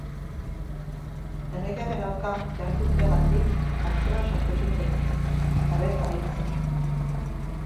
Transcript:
Erregearen aurka jarduteagatik, kartzelan sartu zuten, eta bertan hil zen.